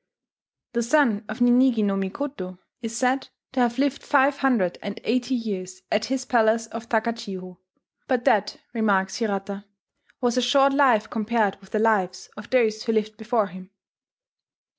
The son of Ninigi no Mikoto is said to have lived five hundred and eighty years at his palace of Takachiho; but that, remarks Hirata, "was a short life compared with the lives of those who lived before him."